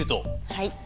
はい。